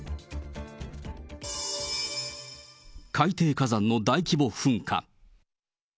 海底火山の大規模噴火。